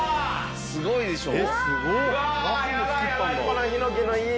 すごいでしょ？